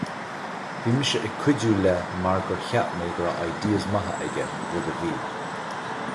Bhí mise ag cuidiú le mar gur cheap mé go raibh ideas maithe aige, rud a bhí.